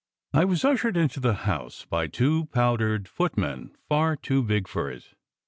I was ushered into the house by two powdered foot men far too big for it.